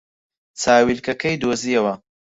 چاویلکەکەی دۆزییەوە.